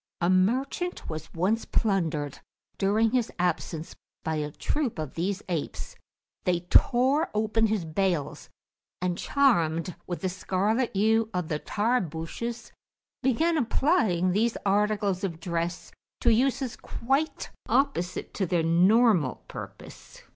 A merchant was once plundered during his absence by a troop of these apes; they tore open his bales, and, charmed with the scarlet hue of the Tarbushes, began applying those articles of dress to uses quite opposite to their normal purpose.